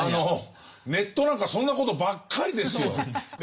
ネットなんかそんなことばっかりですよ。